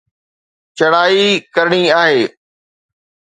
چڙهائي ڪرڻي آهي.